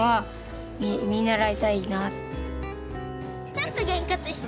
ちょっとげんこつして。